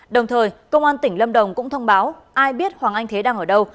đồng thời công an tỉnh lâm đồng cũng thông báo ai biết hoàng anh thế đang ở đâu